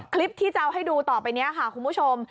คลิปที่จะให้ดูต่อไปนี้ค่ะคุณผู้ชม